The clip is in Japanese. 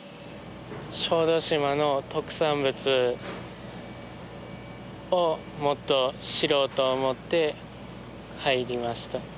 小豆島の特産物をもっと知ろうと思って入りました。